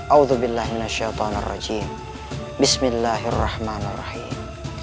audzubillah minasyaytanirrajim bismillahirrahmanirrahim